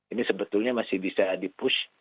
ini sebetulnya masih bisa dipush